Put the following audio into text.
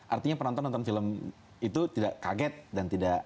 artinya penonton nonton film itu tidak kaget dan tidak